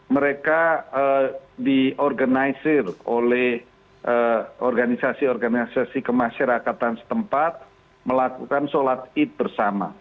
mereka diorganisir oleh organisasi organisasi kemasyarakatan setempat melakukan sholat id bersama